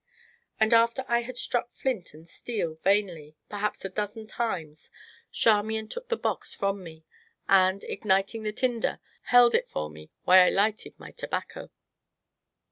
And after I had struck flint and steel vainly, perhaps a dozen times, Charmian took the box from me, and, igniting the tinder, held it for me while I lighted my tobacco.